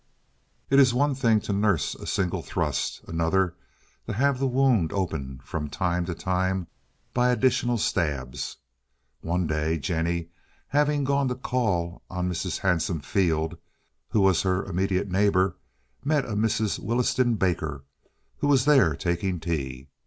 It is one thing to nurse a single thrust, another to have the wound opened from time to time by additional stabs. One day Jennie, having gone to call on Mrs. Hanson Field, who was her immediate neighbor, met a Mrs. Williston Baker, who was there taking tea.